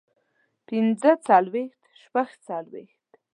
پنځۀ څلوېښت شپږ څلوېښت